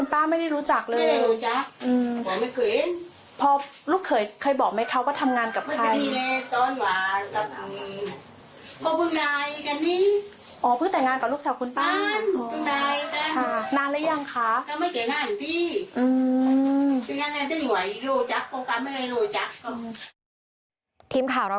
ทีมข่าวเราก็สนับสนุนนะฮะ